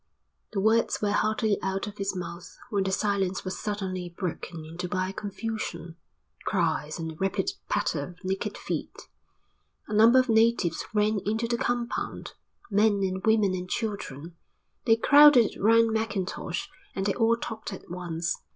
The words were hardly out of his mouth when the silence was suddenly broken into by a confusion, cries, and a rapid patter of naked feet. A number of natives ran into the compound, men and women and children; they crowded round Mackintosh and they all talked at once.